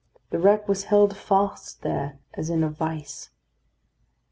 The wreck was held fast there as in a vice.